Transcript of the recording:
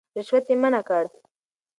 رشوت يې منع کړ.